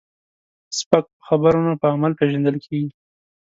سپک په خبرو نه، په عمل پیژندل کېږي.